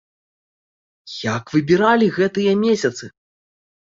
Як выбіралі гэтыя месцы?